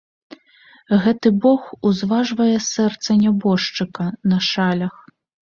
Гэты бог узважвае сэрца нябожчыка на шалях.